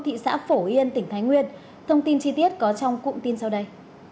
thị xã phổ yên tỉnh thái nguyên thông tin chi tiết có trong cụm tin sau đây